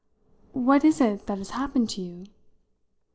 "What is it that has happened to you?"